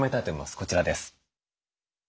こちらです。